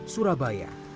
surabaya juga takut